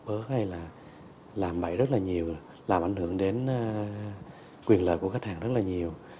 ớt hay là làm bẫy rất là nhiều làm ảnh hưởng đến quyền lợi của khách hàng rất là nhiều